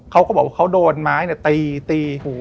เขาก็บอกว่าเขาโดนไม้ตีตีหู